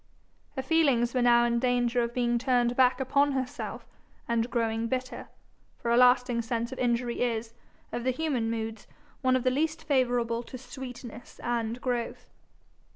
Her feelings were now in danger of being turned back upon herself, and growing bitter; for a lasting sense of injury is, of the human moods, one of the least favourable to sweetness and growth.